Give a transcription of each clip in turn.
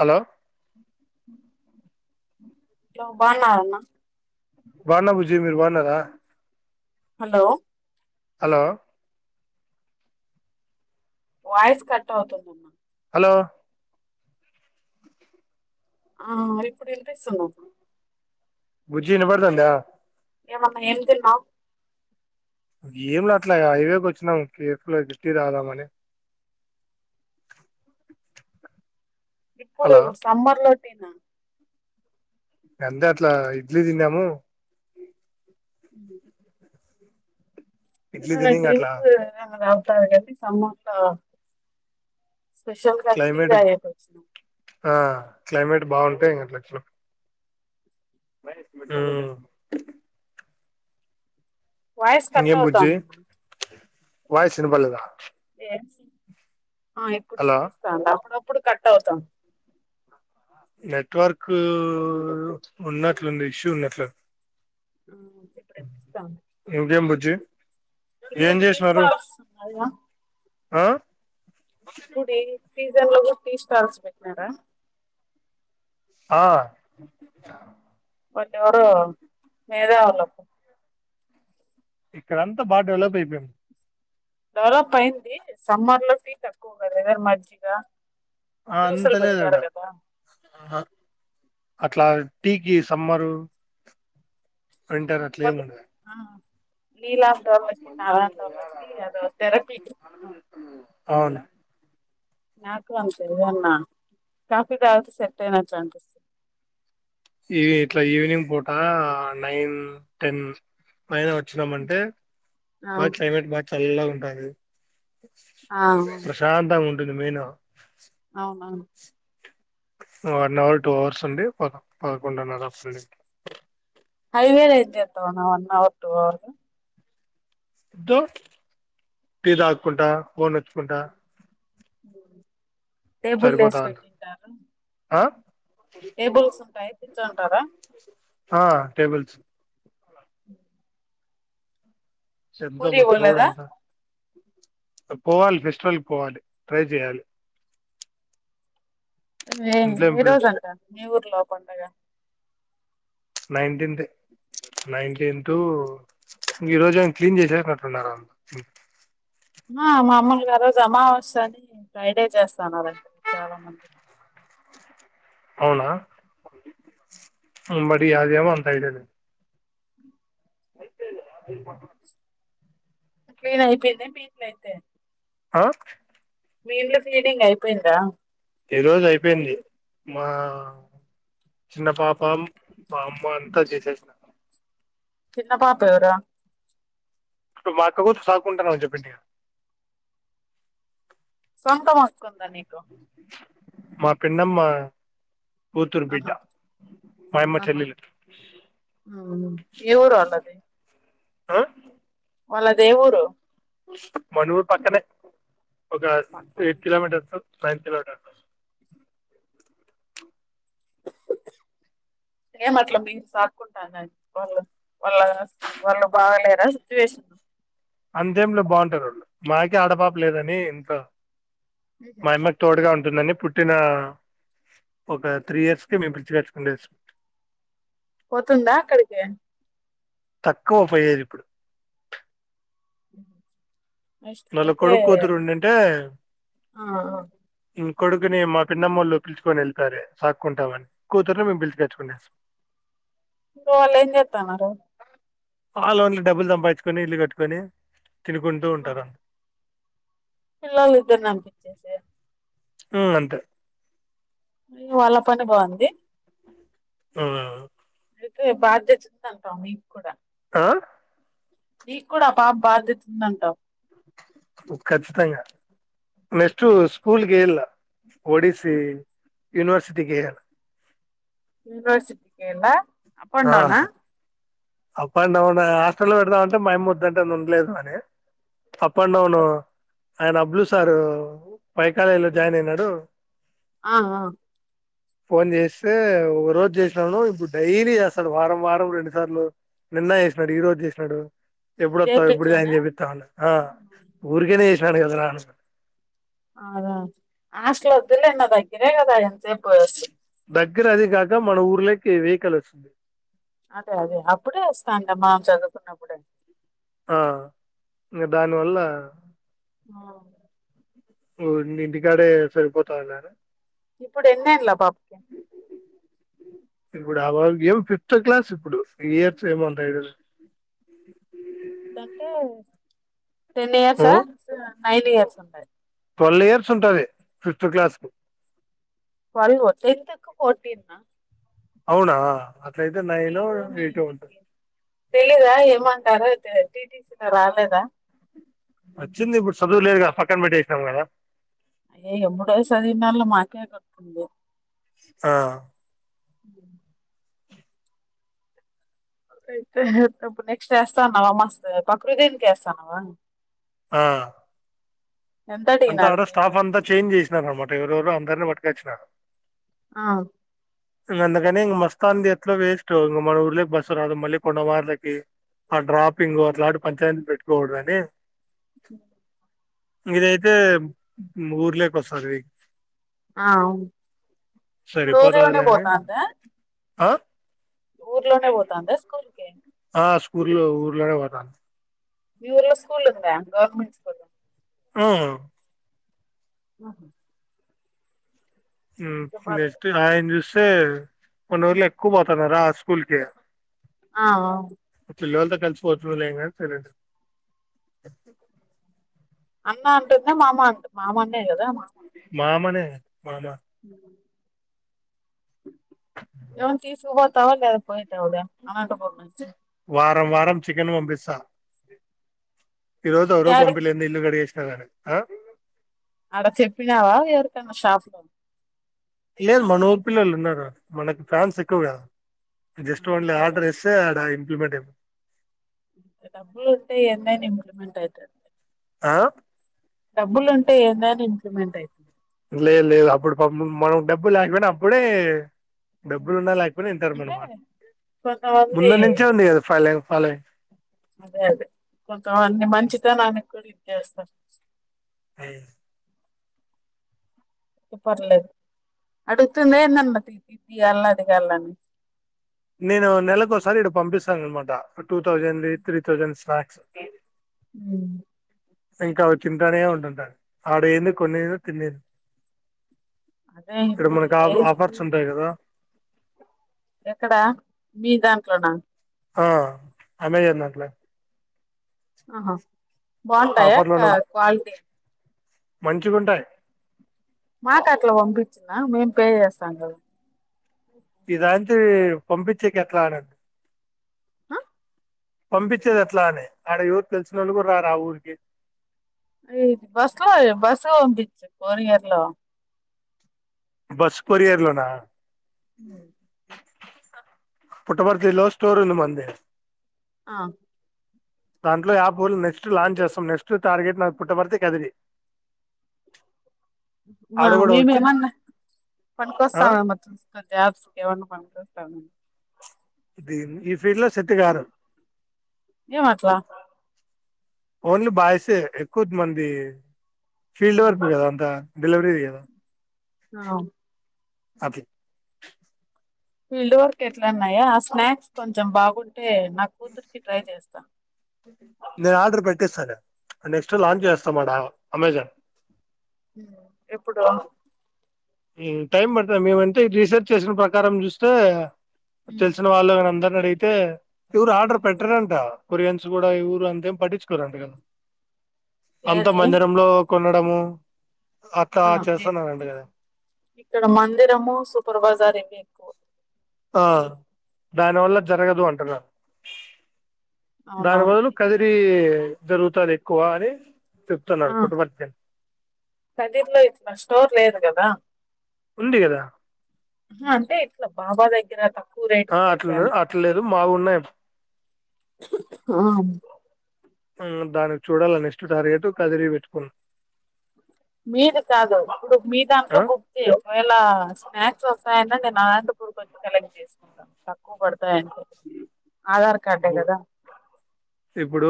Hello! బాగున్నారన్నా? బాన్న బుజ్జీ మీరుబాన్నారా? హలో! హలో! వాయిస్ కట్టవుతూ ఉంది. హలో!. ఆ మరి ఇప్పుడు వినిస్తుందా. బుజ్జీ వినపడుతుందా. ఏమన్నా ఏం తిన్నావు. ఏం అట్లా హైవేకి వచ్చినాం కేఫ్ లో టీ తాగుదామని ఇప్పుడు హలో సమ్మర్ లోటినా అంతే అట్లా ఇడ్లీ తిన్నాము. ఉ ఇడ్లీ ఏ తిని ఇంగ అట్లా డ్రింక్స్ ఏమైనా తాగుతారు కానీ సమోసా స్పెషల్ గా టీ క్లైమేట్ తాగండి. ం లక్షలు [unintelligible] వాయిస్ ఇంకేం బుజ్జి కట్టవుతోంది. వాయిస్ వినపడలేదా? ఆ ఇప్పుడు హలో వినిపిస్తాంది. అప్పుడప్పుడు కట్ అవుతాంది. నెట్వర్క్ ఉన్నట్లుంది. ఇష్యూ ఉన్నట్లు ఆ, ఇప్పుడు వినిపిస్తాంది ఇంకేం బుజ్జీ ఇప్పుడు టీ స్టాల్ ఉన్నాయ? హలో! ఇప్పుడు ఈ సీజన్ లో గుడా టీ స్టాల్స్ పెట్నారా? ఆ వాళ్ళెవరో మేధావులు ఇక్కడంతా బాగా డెవలప్ అయిపోయాం. డెవలప్ అయింది. సమ్మర్ లో టీ తక్కువ కదా ఎదన్న మజ్జిగ. ఆ జ్యూస్ అంత లు లేదు పెడతారు ఆడ కదా అట్లా, టీకి సమ్మరు. వింటర్, అట్లా కొంత ఏముండద్ అండ్. [unintelligible] నాలాంటోళ్ళకి అదో థెరపీ అవునా. నాకు అంతే, ఓ అన్నా కాఫీ తాగితే సెట్ అయినట్టు అనిపిస్తుంద్. ఈ ఇట్లా ఈవినింగ్ పూటా నైన్, టెన్ పైన వచ్చినాం అంటే, అవు బగ్ క్లైమేట్ బాగా, చల్లాగా ఉంటాది. ఆ ప్రశాంతంగా ఉంటుంది మేనా. అవునవును వన్ అవర్, టూ అవర్స్ ఉండి, ప పదకొండున్నర అప్పడ్ దింట. హైవేల ఏం చెత్తవ్ అన్న one hour, two hour. Tea దాక్కుంటా, ఫోన్ ఒత్తుకుంటా టేబుల్ లేేస్ [unintelligible] పెట్టారు. ఆ. టేబుల్స్ ఉంటాయి, కుచ్చున్ఉంటారా. ఆ టేబుల్స్. అ శబ్దం రోడ్ పోలేదా అంతా. పోవాల్ ఫెస్టివల్క్ పోవాలి, ట్రై జేయాలి. ఏ ఏ రోజు అంటా, మీ ఊర్లో పండగ. నైన్టీన్త్. నైన్టీన్ తు, ఇంగా ఈ రోజు అవి క్లీన్ చేసే టట్టున్నారు. ఆ మామూల్ గా ఆ రోజు అమావాస్య అని, ఫ్రైడే చేస్తన్నారంటడి చాలా మంది. అవునా, మరీ అదేం అంత ఐడియా లేద్. క్లీన్ అయిపోయిందా, మీ ఇంట్లో అయితే. ఆ. మీ ఇంట్లో, క్లీనింగ్ అయిపోయిందా. ఈ రోజ్ అయిపోయింది. మా చిన్న పాపమ్, మా అమ్మ అంతా చేసేసిన్ చిన్న పాప ఎవరు? ఇప్పుడు మాక్క కూతుర్ సాగుకుంటాన్న అని జెప్పిఉంటి. సొంతం అక్కుంద మీకు, మా పిన్నమ్మ, కూతుర్ బిడ్డ. ఆహా మా అమ్మ ఆహా చెల్లెలు ఉమ్ ఏ ఊరు అల్లాది. ఆ. వాళ్ళదే ఊరు? మనురు పక్కనే, ఒక సి పక్కనే. Eight kilometres. Five kilometres. ఏం అట్లా మీరు సాక్కుంటానని ప్రాబ్లం, వాళ్ళ [unintelligible] వాళ్ళు బాగాలేరా సిచ్యువేషన్. అంతేంలే బాగుంటారు ఆళ్ళు. మాకే ఆడపాప లేదని ఇంట్ల. ఉహుం. మాయ్ అమ్మకి తోడుగా ఉంటుందని, పుట్ ట్టిన ఒక త్రీ ఇయర్స్ కి మేమ్ పిలిచిక. [unintelligible] పోతుందా అక్కడికి. తక్కువ పోయేది ఇప్పుడు. బ మళ్ళ కొడుక్, కూతురు ఉండి ఉంటే ఆ ఆ ఉమ్ కొడుకుని మా పిన్నమ్మోలు పిలుచుకొని ఎళ్ళిపోయరే సాక్కుంటామని. కూతురుని మేము పిలుచుకచ్చుకునేసం. వాల్ ఏం జెత్తా ఉన్నారు. ఆళ్ళు ఓన్లీ డబ్బులు సంపాదించుకోని, ఇల్లు గట్టుకొని తినుకుంటూ ఉంటారు. పిల్లలు తింటున్న అనిపించేసి ఉ అంటే వాళ్ళ పని బాగుంది ఉ అయితే బాధ్యత ఉంది అంటాం నీకు కూడా ఆ నీకు కూడా ఆ పాప బాధ్యత ఉంది అంటావు ఖచ్చితంగా నెక్స్ట్ స్కూల్ గే ఇలా ఒడిసీ యూనివర్సిటీకి యూనివర్సిటీ కేళ అప్ అండ్ డౌనా అప్ అండ్ డౌన్ హాస్టల్లో పెడదామంటే మాయమ్మ వద్దు అంటంది ఉండలేదు కాని అప్ అండ్ డౌను ఆయన అబ్లు సారు వైకాలేజ్ లో జాయిన్ అయినాడు ఆ ఆ ఫోన్ చేస్తే ఒక రోజు చేసినాను ఇప్పుడు డైరీ చేస్ అసలు వారం వారం రెండు సార్లు నిన్న చేసినాడు ఈ రోజు చేసినాడు ఎప్పుడు వస్తావు ఎప్పుడు ఆయన జాయిన్ చేర్పించానా చేపిస్తా ఆ ఊరికేనే చేసాడు కదా రా అను అదా హాస్టల్ వద్దు లేండి నా దగ్గరే కదా ఎంత సేపు గిర అది కాక మన ఊర్లోకి వెహికల్ వస్తుంది అదే అదే అప్పుడే వస్తాందమ్మా చదువుకున్నప్పుడే ఆ ఇంకా దానివల్ల ఆ ఓరిని ఇంటికాడే సరిపోతాదాటా ఇప్పుడు ఎన్ని ఏళ్ళు ఆ పాప కి ఇప్పుడు ఆ వానికి ఏం ఫిఫ్త్ క్లాస్ ఇప్పుడు ఇయర్స్ ఏమో ఉంటాయి టాంటే టెన్ ఇయర్సా నైన్ ఇయర్స్ ఉంటయి ట్వలివ్ ఇయర్స్ ఉంటుంది ఫిఫ్త్ క్లాస్ కు వాళ్లు ఒత్తైతుకు పోటీన్నా అవునా అట్లయితే నైన్ ఎయిట్ ఉంటుంది తెలీదా ఏం అంటారో తే టిటిసీతా రాలేదా వచ్చింది ఇప్పుడు చదువు లేదు కదా పక్కన పెట్టెసినం కదా అయ్యొయ్యో ఎంబుడే చవింది అల్లా మాకే కట్టుకుంది ఆ అ అయితేప్పుడు నెక్స్ట్ వేస్తాన్నావా మస్ పకృ దీనికి వేస్తానవా ఆ ఎంత అంతా అడిగినారు అక్కడ ఫీజు స్టాఫ్ అంతా చేంజ్ చేసినారు అనమాట ఎవరెవరు అందరిని పట్టుకొచ్చినారు ఆ ఇంగా అందుకనే ఇంగా మస్తాది ఎట్లా వెస్ట్ ఇక మన ఊర్లే బస్ రాదు మళ్ళీ కొండ వాళ్లకి ఆ డ్రాపింగ్ అట్లాంటి పంచాయతీ పెట్టుకోకూడదు అని ఉ ఇదైతే ఊర్లేకె వస్తాది ఆ ఇప్పుడు ఊరులోనే సరిపోతుంది అని పోతందా ఆ ఊర్లోనే పోతాందా స్కూల్ కే ఆ స్కూల్ లో ఊరులేవు ఆటా మీ ఊరులో స్కూల్ ఉందా గవర్నమెంట్ స్కూల్ ఉ ఆహా నెక్స్ట్ ఆయన చూస్తే, మన ఊరిలో ఎక్కువ పోతున్నారా స్కూల్ కి ఆ అవ్ పల్లవాళ్లతో కలిసిపోవతలేంగా సరే అన్న అంటుంద మామ అంటుంది మామ అన్నే కదా మా మామ నే ఉమ్ ఎవను తీసుూబతవా లేద్ పోయిట్ అద అ వారం వారం చికెన్ వంపిసా ఈరోజు ఎవరు యాడికి పంపిలేదు ఇల్లు కడిగేసిన గానీ ఆ అడ చెప్పినావా ఎరకన్నా షాపు లేదు మన ఊరు పిల్లలు ఉన్నారు మనకి ఫ్యాన్స్ ఎక్కువ కాద జస్ట్ ఓన్లీ ఆర్డర్ ఇస్తే అడ ఇంప్లిమెంట్ అయిపో డబ్బులు అంటే ఎన్నైన్ ఇంప్లిమెంట్ అయితది ఆ డబ్బులు ఉంటే ఏందని ఇంప్లిమెంట్ అయితది లేదు లేదు అప్పుడు పాపం మనం డబ్బు లేకపోయినా అప్పుడే డబ్బులున్నా లేకపోని ఇంటరు అంటే మనమాట కొంతమంది ముందు నుంచే ఉంది కదా ఫాలో ఫాలోంగ్ అదే అదే కొంత మంది మంచిత నానికి కూడా ఇది చేస్తారు అయి పర్లేదు అడుతుంద ఏందన్న తియాళ్ళ అది కాళ్ళని నేను నెలలకు ఒకసారి ఇదకీ పంపిస్తాను. అన్నమాట two thousand three thousand snacks ఉమ్ ఇంకా అవి తింటనే ఉంటుంటారు ఆడేంది కొన్నింది తినేది అదే ఇక్కడ ఇప్పుడు మనకి ఆ లేదు ఆఫర్స్ ఉంటాయి కదా ఎక్కడా మీ దాంట్లోనా ఆ అమెజాన్ దాంట్లో ఆహా బాగుంటాయా క్వాలిటీ మంచిగుంటాయి మాకాట్ల పంపించిన మేం పే చేస్తాంగ ఈ రాత్రి పంపించేకి ఎట్లాన ఆ పంపించేది ఎట్లా అని ఆడ ఎవరు తెలిసినోళ్లు కూడా రారు ఆ ఊరికి అ బస్ లో బస్సులో పంపించు కొరియర్ లో బస్ కొరియర్ లోన హ్మ్మ్ పుట్టపర్తి లో స్టోర్ ఉంది మంది ఆ దాంట్లో యాప్ నెక్స్ట్ లాంచ్ చేస్తాం నెక్స్ట్ టార్గెట్ నా పుట్టబర్తే కేటగిరి వావ్ కూడా మేము వచ్చి ఏమన్నా ఆ పనుకొస్తామ యాప్ కి ఎవన్నా పనుకోస్తామ దిన్ ఈ ఫీల్డ్ లో సెట్ కారు ఎమ్ అట్లా ఓన్లీ బాయ్స్ ఎక్కువ మంది ఫీల్డ్ వర్క్ కదా అంతా డెలివరీ చేయాలా అవ్ అట్ ఫీల్డ్ వర్క్ ఎట్లాన్నాయా ఆ స్నాక్స్ కొంచెం బాగుంటే నా కూతుర్కి ట్రై చేస్తా నేను ఆర్డర్ పెట్టిస్తాను నెక్స్ట్ లాంచ్ చేస్తాను మద అమెజాన్ ఎప్పుడు టైం పడుతుం మేమంటే రీసెర్చ్ చేసిన ప్రకారం చూస్తే తెలిసిన వాళ్ళు కాన అందరిని అడిగితే ఎవరు ఆర్డర్ పెట్టారంట కొరియన్స్ కూడా ఈ ఊరు అంతేం పట్టించుకోరంటడి కదా అంత ఏది మందిరంలో కొన్నా ఉడము అట్లా ఆ చేస్తున్నాండి కదా ఇక్కడ మందిరము సూపర్ బైజార్ ఇవి ఎక్కువ ఆ దానివల్ల జరగదు అంటున్నారు దాని అవునవును బదులు ఇక్కడ కదిరి జరుగుతంది ఎక్కువ అని చెప్తున్నారు ఆ పుట్టపర్తి కదిీర్లో ఇట్లా స్టోర్ లేదు కదా ఉంది కదా అంతే ఎట్లా బాబా దగ్గర త ఆ అట్లున్నారు అట్లేదు మాగున్నాయి ఆ దానికి చూడాలని ఇస్ట్ టార్గెట్ కదిరి పెట్టుకును మీది కాదు ఇప్పుడు మీ దాంట్లో ఆ బుక్తి ఒకవేలా స్నాక్స్ వస్త నేను అనంతపూర్కి వచ్చి కలెక్ట్ చేసుకుంటాను తక్కువ పడతాయింట ఆధార్ కార్డే ఇప్పుడు కదా ఇప్పుడు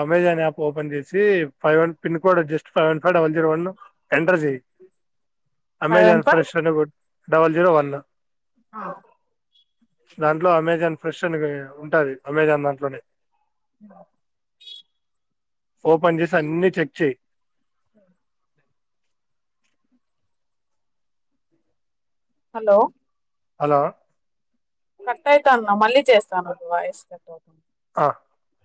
అమె యాప్ ఓపెన్ చేసి five one pin code just five one five double zero one enter చెయయిి [inaudible] five one Amazon five first double zero one [inaudible] దాంట్లో అమెజాన్ ఫ్రెష్ అని ఉంటుది అమెజాన్ దాంట్లోనే [inaudible] ఫో పం చేెస్ అన్ని చెక్ చెయయి [inaudible] [inaudible] హలో హలో కరట్ అవుతాన్న మళ్ళీ చేస్తాను వాయిస్ కట్ అవుతుాంది [inaudible]